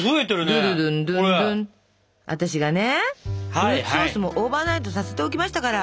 フルーツソースもオーバーナイトさせておきましたから。